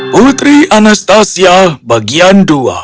putri anastasia bagian dua